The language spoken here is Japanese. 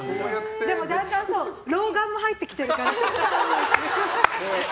でもだんだん老眼も入ってきてるから。